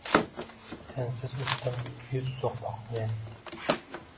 Sensiz o‘tdim yuz so‘qmoqni men